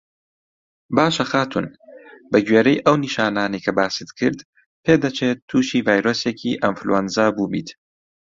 باشه خاتوون بە گوێرەی ئەو نیشانانەی کە باست کرد پێدەچێت تووشی ڤایرۆسێکی ئەنفلەوەنزا بووبیت